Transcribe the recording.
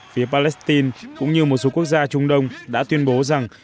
phía palestine cũng như một số quốc gia trung đông đã tuyên bố rằng